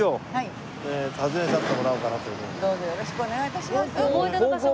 どうぞよろしくお願い致します。